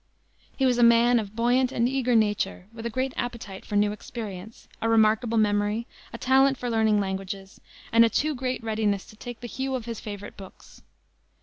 He was a man of buoyant and eager nature, with a great appetite for new experience, a remarkable memory, a talent for learning languages, and a too great readiness to take the hue of his favorite books.